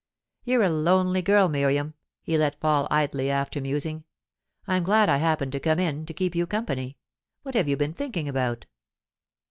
"You're a lonely girl, Miriam," he let fall idly, after musing. "I'm glad I happened to come in, to keep you company. What have you been thinking about?"